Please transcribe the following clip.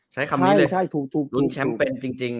ใช้คำนี้เลย